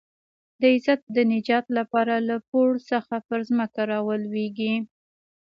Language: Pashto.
د عزت د نجات لپاره له پوړ څخه پر ځمکه رالوېږي.